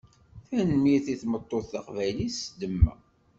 Tanemmirt i tmeṭṭut taqbaylit s demma.